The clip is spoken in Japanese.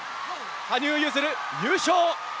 羽生結弦優勝！